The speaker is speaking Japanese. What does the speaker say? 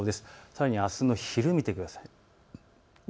さらにあすの昼を見てください。